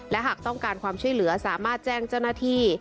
และหากต้องการความช่วยเหลือสามารถแจ้งเจ้าหน้าที่